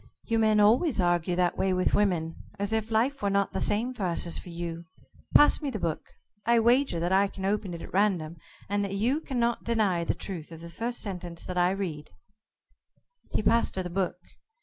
"You men always argue that way with women as if life were not the same for us as for you. Pass me the book. I wager that I can open it at random, and that you cannot deny the truth of the first sentence I read." He passed her the book.